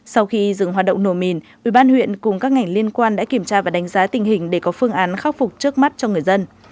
sau khi dừng hoạt động nổ mìn ubnd huyện cùng các ngành liên quan đã kiểm tra và đánh giá tình hình để có phương án khắc phục trước mắt cho người dân